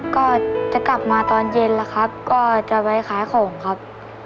ก็จะกลับมาตอนเย็นแล้วครับก็จะไปขายของครับ